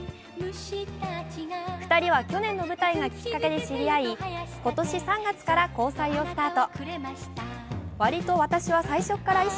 ２人は去年の舞台がきっかけで知り合い、今年３月から交際をスタート。